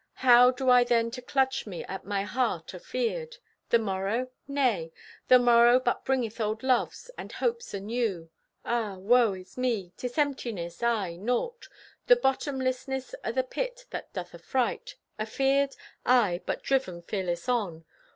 How do I then to clutch me At my heart, afeared? The morrow? Nay, The morrow but bringeth old loves And hopes anew. Ah, woe is me, 'tis emptiness, aye, naught— The bottomlessness o' the pit that doth afright! Afeared? Aye, but driven fearless on!